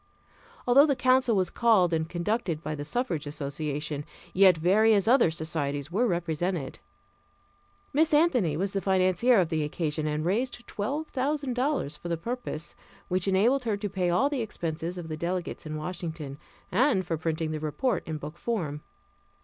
Although the council was called and conducted by the suffrage association, yet various other societies were represented. Miss Anthony was the financier of the occasion and raised twelve thousand dollars for the purpose, which enabled her to pay all the expenses of the delegates in Washington, and for printing the report in book form.